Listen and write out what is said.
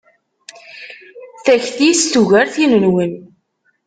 Takti-s tugar tin-nwen.